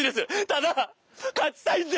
ただ勝ちたいんで！